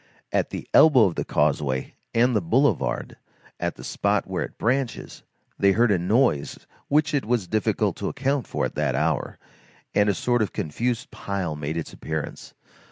At the elbow of the causeway and the boulevard, at the spot where it branches, they heard a noise which it was difficult to account for at that hour, and a sort of confused pile made its appearance.